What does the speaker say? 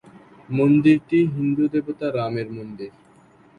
মন্দিরটি হিন্দু দেবতা রামের মন্দির।